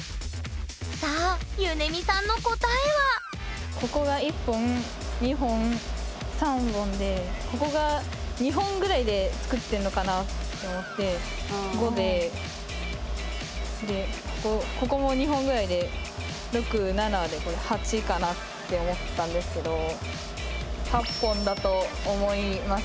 さあゆねみさんの答えはここが１本２本３本でここが２本ぐらいで作ってるのかなと思って５ででここも２本ぐらいで６７でこれ８かなって思ったんですけど８本だと思います。